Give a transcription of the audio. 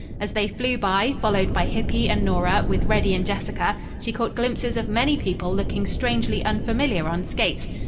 As they flew by, followed by Hippy and Nora, with Reddy and Jessica, she caught glimpses of many people looking strangely unfamiliar on skates.